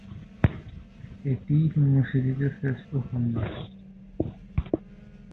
এটিই হিমু সিরিজের শেষ উপন্যাস।